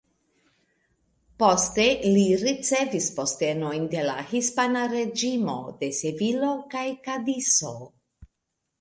Poste li ricevis postenojn de la hispana reĝimo de Sevilo kaj Kadizo.